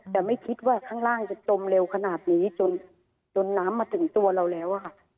แต่ไม่คิดว่าข้างล่างจะจมเร็วขนาดนี้จนน้ำมาถึงตัวเราแล้วอะค่ะ